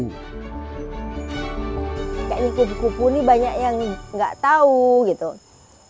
kayaknya kupu kupu ini banyak yang gak tau gitu